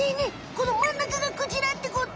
このまんなかがクジラってこと？